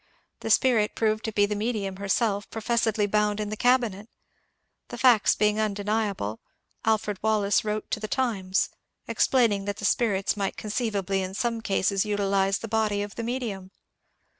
The " spirit " proved to be the "medium" herself professedly bound in the cabinet. The facts being undeniable, Alfred Wallace wrote to the " Times " explaining that the " spirits " might conceivably in some cases utilize the body of the " medium